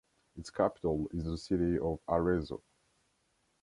Its capital is the city of Arezzo.